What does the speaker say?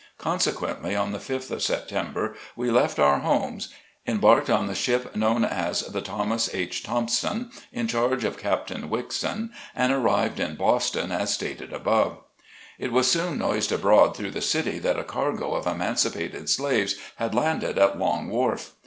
Consequently, on the 5 th of September, we left our homes, embarked on the ship known as the "Thomas H. Thompson," in charge of Captain Wickson, and arrived at Boston, as stated above. It was soon noised abroad through the city, that a cargo of emancipated slaves had landed at Long Wharf.